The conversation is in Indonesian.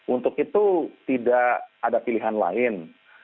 untuk itu tidak ada pilihan lain